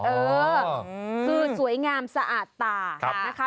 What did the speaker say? เบื้องเซรามิกเออคือสวยงามสะอาดตาครับนะคะ